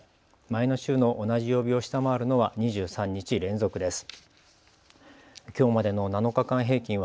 前の週の同じ曜日を下回るのは２３日連続です。